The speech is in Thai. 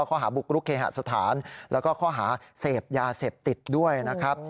ข้อหาบุกรุกเคหสถานแล้วก็ข้อหาเสพยาเสพติดด้วยนะครับ